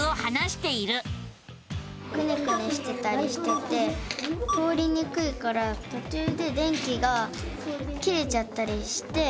くねくねしてたりしてて通りにくいからとちゅうで電気が切れちゃったりして。